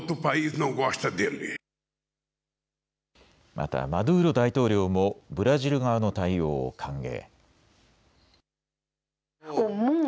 またマドゥーロ大統領もブラジル側の対応を歓迎。